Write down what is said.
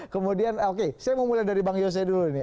kemudian oke saya mau mulai dari bang yose dulu nih